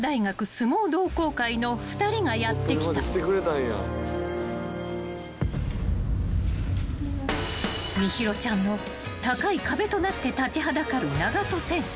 相撲同好会の２人がやって来た］［心優ちゃんの高い壁となって立ちはだかる長門選手］